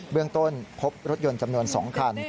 เรื่องต้นพบรถยนต์จำนวน๒คัน